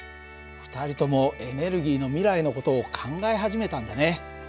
２人ともエネルギーの未来の事を考え始めたんだね。